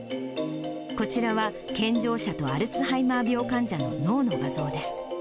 こちらは、健常者とアルツハイマー病患者の脳の画像です。